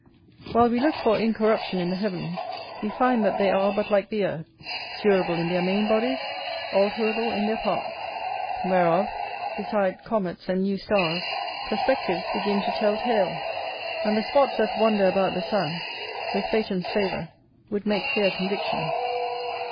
While we look for incorruption in the heavens, we find that they are but like the earth; durable in their main bodies, alterable in their parts; whereof, beside comets and new stars, perspectives begin to tell tales, and the spots that wander about the sun, with Phaeton's favour, would make clear conviction.